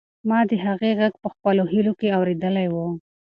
ما د هغې غږ په خپلو هیلو کې اورېدلی و.